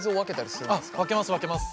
分けます分けます。